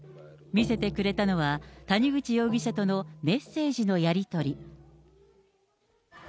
見せてくれたのは、谷口容疑者とのメッセージのやり取り。